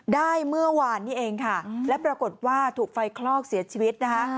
ได้เมื่อวานนี้เองค่ะและปรากฏว่าถูกไฟคลอกเสียชีวิตนะคะ